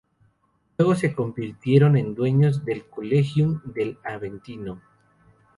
Luego se convirtieron en dueños del "collegium" del Aventino.